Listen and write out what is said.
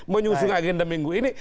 menyusung agenda minggu ini